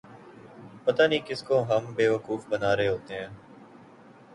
پتہ نہیں کس کو ہم بے وقوف بنا رہے ہوتے ہیں۔